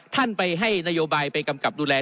ท่านไปให้นโยบายไปกำกับดูแล